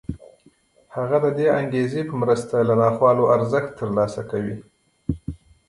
هغه د دې انګېزې په مرسته له ناخوالو ارزښت ترلاسه کوي